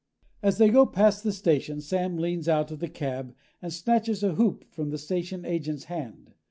As they go past the station, Sam leans out of the cab and snatches a hoop from the station agent's hand.